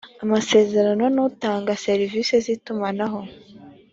amasezerano n utanga serivisi z itumanaho